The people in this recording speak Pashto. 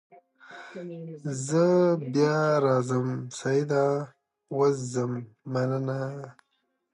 نو په خپل قلمرو کې به يې بېلابېلو سيمو ته احوال ولېږه